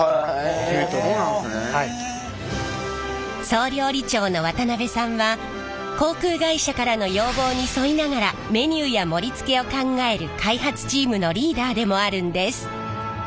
総料理長の渡さんは航空会社からの要望に添いながらメニューや盛りつけを考える開発チームのリーダーでもあるんです。